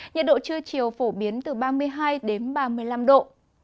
nhiệt độ trưa chiều phổ biến từ ba mươi hai đến ba mươi năm độ